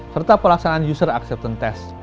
serta pelaksanaan user acceptan test